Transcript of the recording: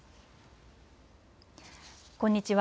こんにちは。